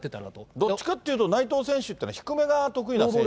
どっちかっていうと内藤選手っていうのは低めが得意な選手。